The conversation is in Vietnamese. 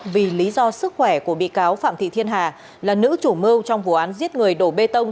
vì lý do sức khỏe của bị cáo phạm thị thiên hà là nữ chủ mưu trong vụ án giết người đổ bê tông